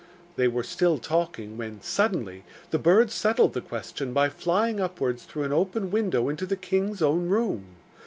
They were still talking, when, suddenly, the bird settled the question by flying upwards through an open window into the king's own room.